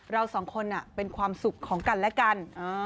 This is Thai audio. เราสองคนเป็นความสุขของกันและกัน